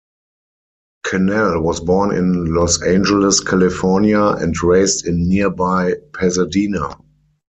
Cannell was born in Los Angeles, California, and raised in nearby Pasadena.